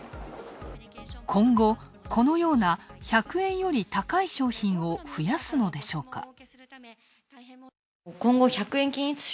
今後、このような１００円より高い商品を増やすのでしょうか。